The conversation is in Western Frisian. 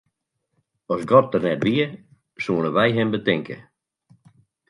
As God der net wie, soenen wy him betinke.